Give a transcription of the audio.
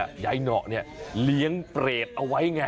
ยายเหนาะเนี่ยเลี้ยงเปรตเอาไว้ไง